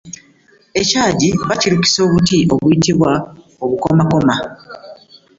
Ekyagi bakirukisa obuti obuyitibwa obukomakoma.